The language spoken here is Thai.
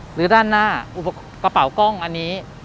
หรือด้านหน้ากระเป๋ากล้องอันนี้